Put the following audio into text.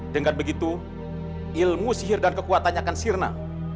dengan begitu ilmu sihir dan kekuatannya akan sirna